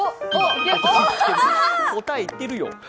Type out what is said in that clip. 答え言ってるよ。